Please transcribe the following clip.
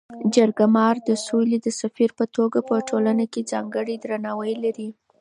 جرګه مار د سولي د سفیر په توګه په ټولنه کي ځانګړی درناوی لري.